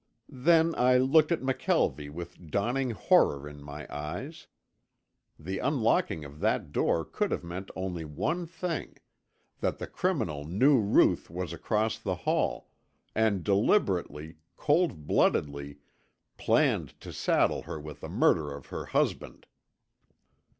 Then I looked at McKelvie with dawning horror in my eyes. The unlocking of that door could have meant only one thing, that the criminal knew Ruth was across the hall, and deliberately, cold bloodedly, planned to saddle her with the murder of her husband!